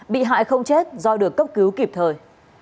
bị hại không chết do được cấp cứu kịp thời